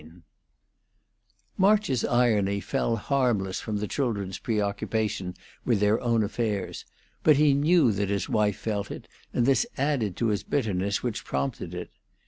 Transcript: IV March's irony fell harmless from the children's preoccupation with their own affairs, but he knew that his wife felt it, and this added to the bitterness which prompted it.